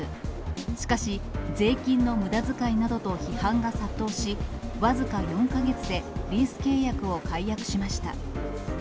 しかし、税金のむだづかいなどと批判が殺到し、僅か４か月でリース契約を解約しました。